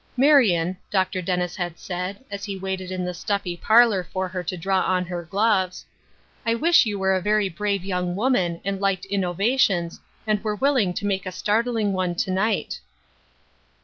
" Marion," Dr. Dennis had said, as he waited in the stuffy parlor for her to draw on her fifloves, " I wish you were a very brave young woman, and liked innovations, and were willing to make a startling one to night."